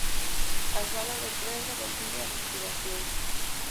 A sala de prensa contiña a respiración.